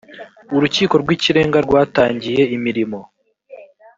urukiko rw ikirenga rwatangiye imirimo